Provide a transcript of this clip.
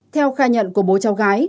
theo khai nhận của bố cháu gái